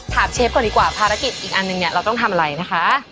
เชฟก่อนดีกว่าภารกิจอีกอันนึงเนี่ยเราต้องทำอะไรนะคะ